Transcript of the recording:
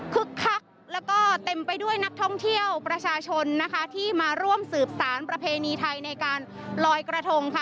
คักแล้วก็เต็มไปด้วยนักท่องเที่ยวประชาชนนะคะที่มาร่วมสืบสารประเพณีไทยในการลอยกระทงค่ะ